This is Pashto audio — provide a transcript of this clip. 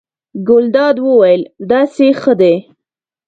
ګلداد وویل: داسې ښه دی.